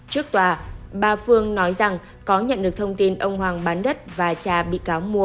trước tòa bà phương nói rằng có nhận được thông tin ông hoàng bán đất và trà bị cáo mua